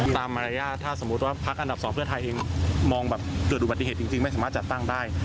มารยาทถ้าสมมุติว่าพักอันดับ๒เพื่อไทยเองมองแบบเกิดอุบัติเหตุจริงไม่สามารถจัดตั้งได้